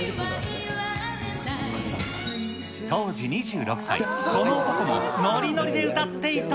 当時２６歳、この男もノリノリで歌っていた。